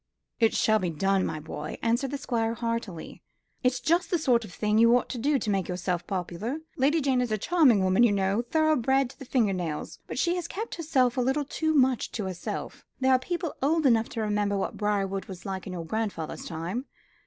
"It shall be done, my boy," answered the Squire heartily. "It's just the sort of thing you ought to do to make yourself popular. Lady Jane is a charming woman, you know, thoroughbred to the finger nails; but she has kept herself a little too much to herself. There are people old enough to remember what Briarwood was in your grandfather's time.